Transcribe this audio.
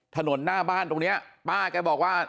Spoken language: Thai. ถนนหน้าบ้านตรงนี้ป้าแกบอกว่า